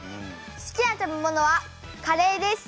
好きな食べ物はカレーです。